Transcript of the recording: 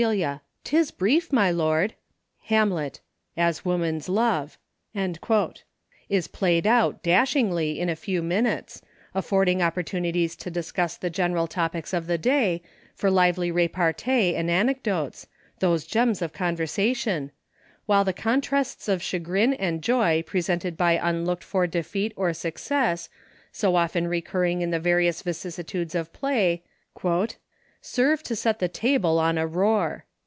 'Tis brief, my Lord ; Ham. As woman's love ;"— is played out, dashingly, in a few minutes, PRELIMINARY. 31 affording opportunities to discuss the general topics of the day, for lively repartee and anecdotes — those gems of conversation — while the contrasts of chagrin and joy pre sented by unlooked for defeat or success, so often recurring in the various vicissitudes of play, " serve to set the table on a roar."